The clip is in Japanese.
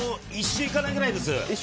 １周いかないぐらいです。